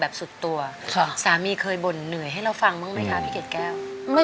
สามีก็ต้องพาเราไปขับรถเล่นดูแลเราเป็นอย่างดีตลอดสี่ปีที่ผ่านมา